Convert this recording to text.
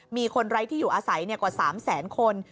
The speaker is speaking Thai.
มีคนไร้ที่อยู่อาศัยกว่า๓แสนคน